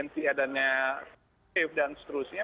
di adanya covid sembilan belas dan seterusnya